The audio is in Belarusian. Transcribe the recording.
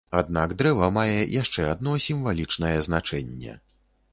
Аднак дрэва мае яшчэ адно сімвалічнае значэнне.